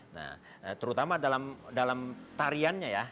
nah terutama dalam tariannya ya